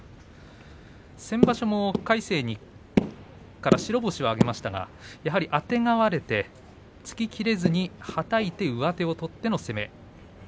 先場所も魁聖から白星を挙げましたがやはりあてがわれて突ききれずにはたいて上手を取っての攻め。